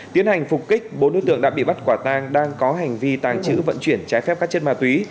tiến hành phục kích bốn đối tượng đã bị bắt quả tang đang có hành vi tàng trữ vận chuyển trái phép các chất ma túy